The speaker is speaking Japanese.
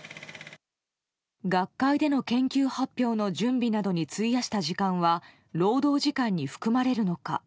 学会での研究発表の準備などに費やした時間は労働時間に含まれるのか。